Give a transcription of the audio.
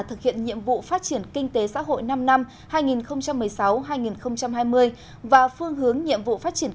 thực hiện nhiệm vụ phát triển kinh tế xã hội năm năm hai nghìn một mươi sáu hai nghìn hai mươi và phương hướng nhiệm vụ phát triển